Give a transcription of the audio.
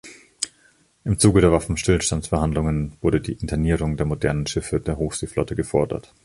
Im Zuge der Waffenstillstandsverhandlungen wurde die Internierung der modernen Schiffe der Hochseeflotte gefordert.